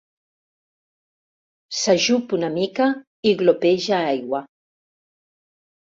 S'ajup una mica i glopeja aigua.